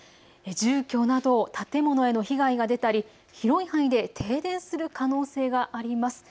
住居など建物への被害が出たり広い範囲で停電する可能性があります。